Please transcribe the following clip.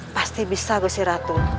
pasti bisa gesiratu